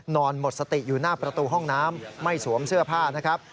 นอนหมดสติอยู่หน้าประตูห้องน้ำไม่สวมเสื้อผ้านะครับ